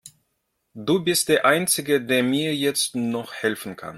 Du bist der einzige, der mir jetzt noch helfen kann.